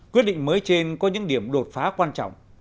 quyết định mới trên có những điểm đột phá quan trọng